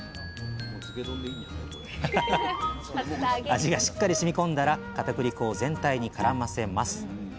味がしっかりしみ込んだらかたくり粉を全体にからませます。